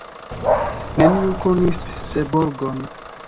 Neniu konis Seborgon.